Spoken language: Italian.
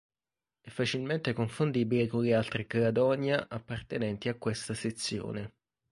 È facilmente confondibile con le altre Cladonia appartenenti a questa sezione.